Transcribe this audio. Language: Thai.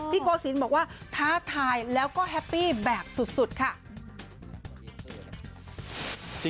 โกศิลป์บอกว่าท้าทายแล้วก็แฮปปี้แบบสุดค่ะ